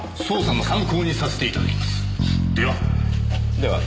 では。